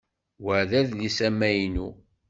Wa d adlis amaynu.